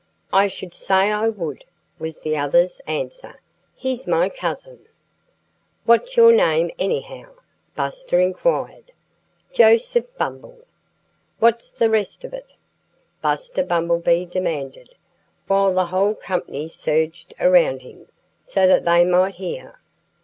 "I should say I would!" was the other's answer. "He's my cousin." "What's your name, anyhow?" Buster Inquired. "Joseph Bumble!" "What's the rest of it?" Buster Bumblebee demanded, while the whole company surged around him, so that they might hear.